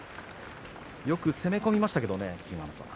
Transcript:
よく攻め込みましたがね。